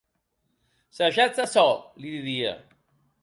Sajatz açò, li didie.